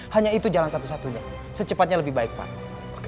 hanya itu jalan satu satunya secepatnya lebih baik pak